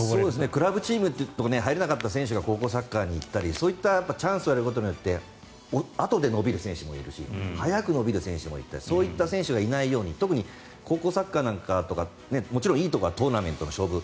クラブチームに入れなかった選手が高校サッカーに行ったりそういうチャンスがあることであとで伸びる選手もいるし早く伸びる選手もいるしそういった選手がいないように特に高校サッカーなんかとかもちろんいいところはトーナメントの勝負。